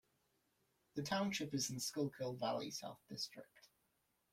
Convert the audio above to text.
The township is in Schuylkill Valley School District.